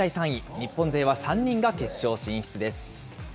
日本勢は３人が決勝進出です。